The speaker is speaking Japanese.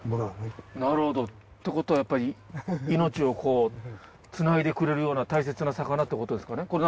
なるほど。ってことはやっぱり命をこうつないでくれるような大切な魚ってことですかね。